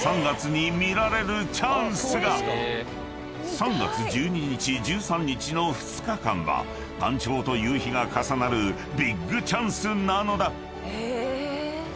［３月１２日１３日の２日間は干潮と夕陽が重なるビッグチャンスなのだ！］